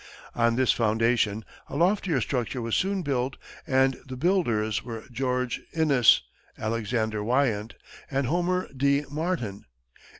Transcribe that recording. On this foundation a loftier structure was soon built and the builders were George Inness, Alexander Wyant and Homer D. Martin.